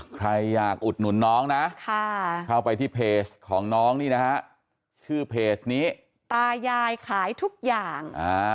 ใครอยากอุดหนุนน้องนะเข้าไปที่เพจของน้องนี่นะฮะชื่อเพจนี้ตายายขายทุกอย่าง